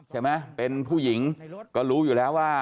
ใช่ไหมเป็นผู้หญิงก็รู้อยู่แล้วว่า